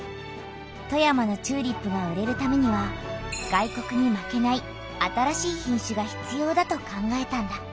富山のチューリップが売れるためには外国に負けない新しい品種が必要だと考えたんだ。